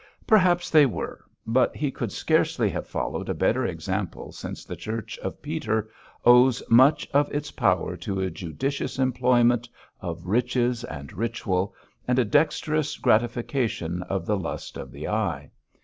Perhaps they were, but he could scarcely have followed a better example, since the Church of Peter owes much of its power to a judicious employment of riches and ritual, and a dexterous gratification of the lust of the eye.